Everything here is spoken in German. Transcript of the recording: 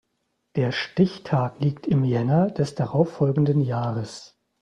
Der Stichtag liegt im Jänner des darauf folgenden Jahres.